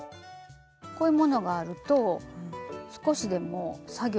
こういうものがあると少しでも作業が早く終わるのでね。